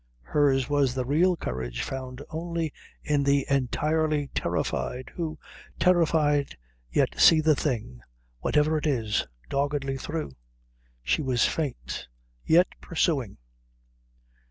Hers was the real courage found only in the entirely terrified, who, terrified, yet see the thing, whatever it is, doggedly through. She was faint, yet pursuing.